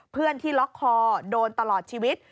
เพื่อนที่ล็อกคอโดนตลอดชีวิต